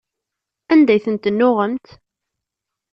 Anda ay ten-tennuɣemt?